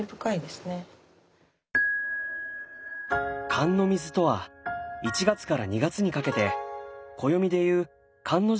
寒の水とは１月から２月にかけて暦でいう寒の時期にとる水のこと。